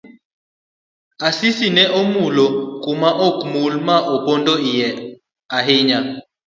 Asisi ne omulo kuma okmul ma opondo iye ahinya.